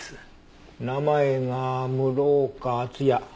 名前が「室岡厚也」。